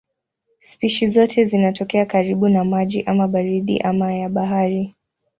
Spishi zote zinatokea karibu na maji ama baridi ama ya bahari.